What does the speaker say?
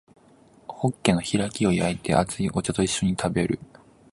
ホッケの開きを焼いて熱いお茶と一緒に食べる